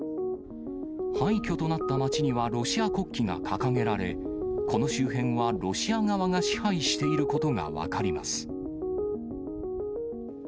廃虚となった街にはロシア国旗が掲げられ、この周辺はロシア側が支配していることが分かります。